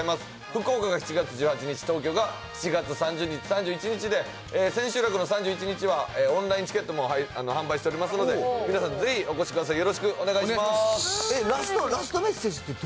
福岡が７月１８日、東京が７月３０日、３１日で、千秋楽の３１日はオンラインチケットも販売しておりますので、皆さん、ぜひお越しください。